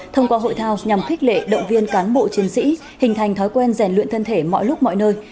thông qua hội thao nhằm khích lệ động viên cán bộ chiến sĩ hình thành thói quen rèn luyện thân thể mọi lúc mọi nơi